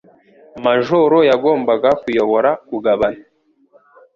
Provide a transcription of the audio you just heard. Majoro yagombaga kuyobora kugabana.